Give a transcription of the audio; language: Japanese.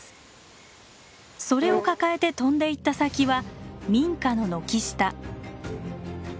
それを抱えて飛んでいった先は民家の軒下。